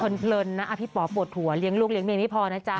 เลินนะพี่ป๋อปวดหัวเลี้ยงลูกเลี้ยไม่พอนะจ๊ะ